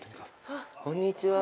こんにちは。